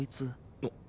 あっ。